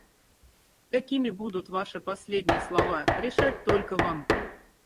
Какими будут ваши последние слова, решать только вам.